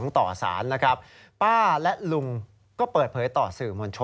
ที่ส